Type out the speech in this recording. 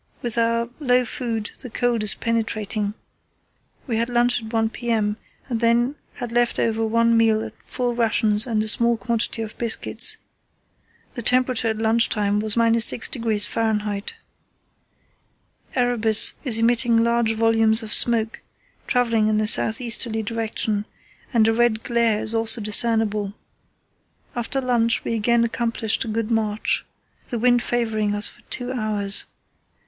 With our low food the cold is penetrating. We had lunch at 1 p.m., and then had left over one meal at full rations and a small quantity of biscuits. The temperature at lunch time was –6° Fahr. Erebus is emitting large volumes of smoke, travelling in a south easterly direction, and a red glare is also discernible. After lunch we again accomplished a good march, the wind favouring us for two hours.